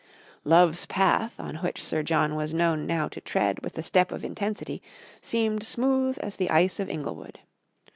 Love's path, on which Sir John was known now to tread with the step of intensity, seemed smooth as the ice of Inglewood.